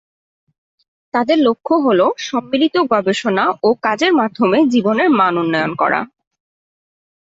তাদের লক্ষ্য হল সম্মিলিত গবেষণা ও কাজের মাধ্যমে জীবনের মান উন্নয়ন করা।